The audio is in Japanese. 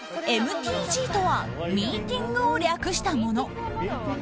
ＭＴＧとはミーティングを略したもの。